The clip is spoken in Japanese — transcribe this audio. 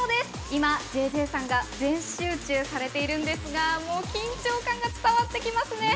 今、ＪＪさんが全集中されているんですが、緊張感が伝わってきますね。